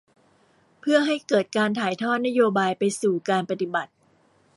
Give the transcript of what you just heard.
เพื่อให้เกิดการถ่ายทอดนโยบายไปสู่การปฏิบัติ